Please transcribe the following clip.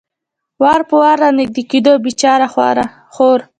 وار په وار را نږدې کېده، بېچاره خورا.